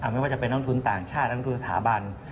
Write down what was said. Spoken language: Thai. ไม่ว่าจะเป็นนักทุนต่างชาตินักลงทุนสถาบัน